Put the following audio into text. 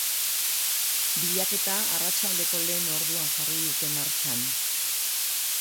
Bilaketa arratsaldeko lehen orduan jarri dute martxan.